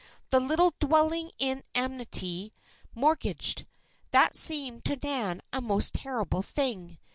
The little "dwelling in amity" mortgaged! That seemed to Nan a most terrible thing.